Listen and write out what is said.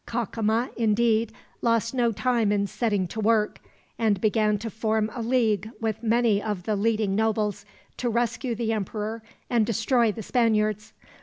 Cacama, indeed, lost no time in setting to work, and began to form a league with many of the leading nobles, to rescue the emperor and destroy the Spaniards.